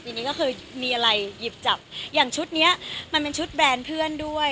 นี้ก็คือมีอะไรหยิบจับอย่างชุดเนี้ยมันเป็นชุดแบรนด์เพื่อนด้วย